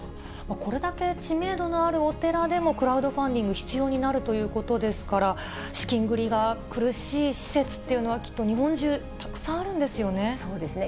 これだけ知名度のあるお寺でも、クラウドファンディング必要になるということですから、資金繰りが苦しい施設っていうのは、きっと日本中、たくさんあるそうですね。